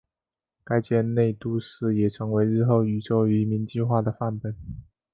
该舰内都市也成为日后宇宙移民计画的范本。